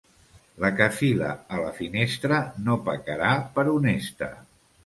La que fila a la finestra no pecarà per honesta.